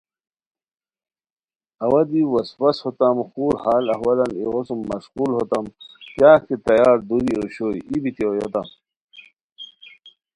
اوا دی وسوس ہوتام خور حال احوالان ایغو سُم مشقول ہوتام کیاغ کی تیار دُوری اوشوئے ای بیتی اویوتام